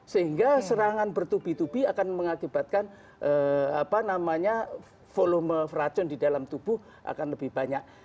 sehingga serangan bertubi tubi akan mengakibatkan volume racun di dalam tubuh akan lebih banyak